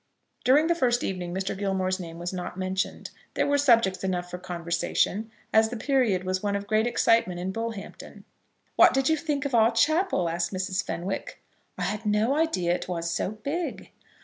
During the first evening Mr. Gilmore's name was not mentioned. There were subjects enough for conversation, as the period was one of great excitement in Bullhampton. "What did you think of our chapel?" asked Mrs. Fenwick. "I had no idea it was so big."